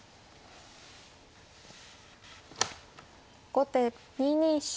後手２二飛車。